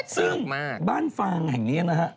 ซึ่งบ้านฟางแห่งนี้นะฮะ